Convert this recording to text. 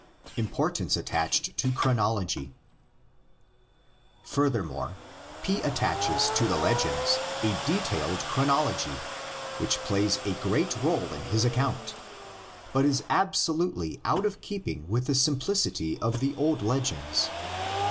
IMPORTANCE ATTACHED TO CHRONOLOGY. Furthermore P attaches to the legends a detailed chronology, which plays a great role in his account, but is absolutely out of keeping with the simplicity of the old legends.